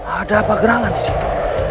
ada apa gerangan disitu